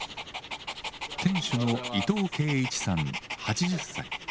店主の伊藤敬一さん８０歳。